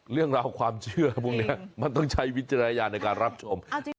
เรื่องราวความเชื่อพวกนี้มันต้องใช้วิจารณญาณในการรับชม